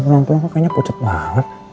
pukul pukul kayaknya pucat banget